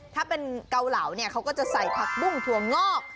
ถ้าเป็นเกาเหลาเนี่ยเขาก็จะใส่ผักบุ้งถั่วงอก